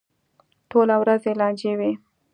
ټوله ورځ یې لانجې وي.